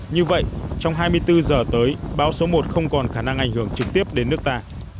như vậy trong hai mươi bốn giờ tới bão số một không còn khả năng ảnh hưởng trực tiếp đến nước ta